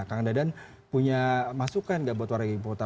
kang dadan punya masukan nggak buat warga ibu kota